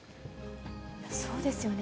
そうですよね。